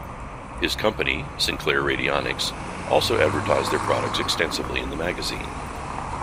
His company, Sinclair Radionics, also advertised their products extensively in the magazine.